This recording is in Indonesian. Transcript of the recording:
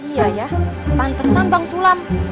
iya ya pantesan bank sulam